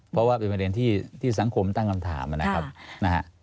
เพราะว่าเป็นประเด็นที่สังคมตั้งคำถามนะครับนะฮะ